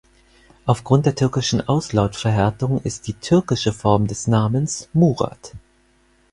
Aufgrund der türkischen Auslautverhärtung ist die türkische Form des Namens Murat.